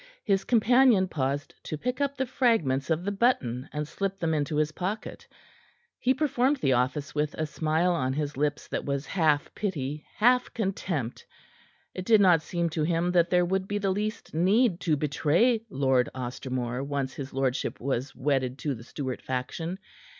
His companion paused to pick up the fragments of the button and slip them into his pocket. He performed the office with a smile on his lips that was half pity, half contempt. It did not seem to him that there would be the least need to betray Lord Ostermore once his lordship was wedded to the Stuart faction.